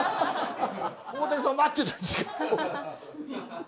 大竹さんを待ってた時間。